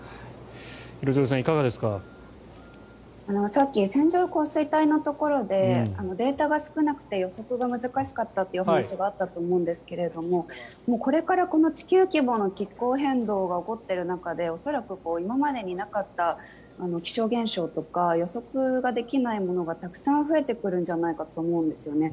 さっき線状降水帯のところでデータが少なくて予測が難しかったという話があったと思うんですがこれからこの地球規模の気候変動が起こっている中で恐らく今までになった気象現象とか予測ができないものがたくさん増えてくるんじゃないかと思うんですよね